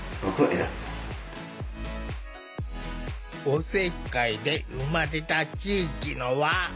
おせっかいで生まれた地域の輪。